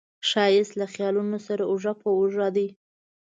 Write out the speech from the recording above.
ښایست له خیالونو سره اوږه په اوږه دی